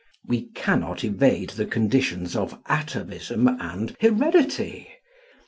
We cannot evade the conditions of atavism and heredity.